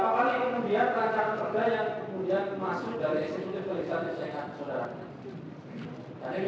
bunyanya berkembang intilai